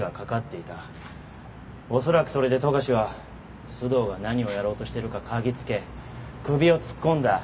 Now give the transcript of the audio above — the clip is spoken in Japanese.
おそらくそれで富樫は須藤が何をやろうとしてるか嗅ぎつけ首を突っ込んだ。